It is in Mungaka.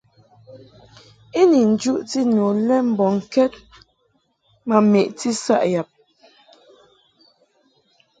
I ni njuʼti nu le mbɔŋkɛd ma meʼti saʼ yab.